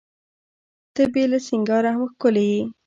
ته بې له سینګاره هم ښکلي یې.